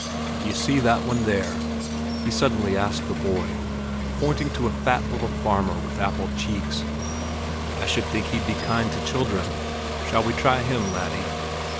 "Do you see that one there?" he suddenly asked the boy, pointing to a fat little farmer with apple cheeks. "I should think he'd be kind to children. Shall we try him, laddie?"